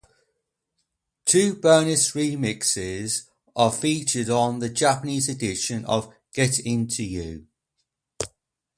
Two bonus remixes are featured on the Japanese edition of "Get into You".